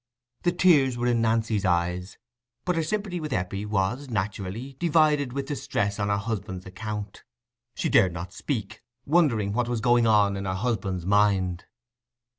The tears were in Nancy's eyes, but her sympathy with Eppie was, naturally, divided with distress on her husband's account. She dared not speak, wondering what was going on in her husband's mind.